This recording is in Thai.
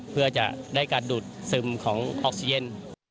เพื่อจะได้การดูดซึมของออกซีเย็น